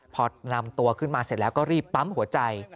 พอนำตัวขึ้นมาเสร็จแล้วก็รีบปั๊มหัวใจ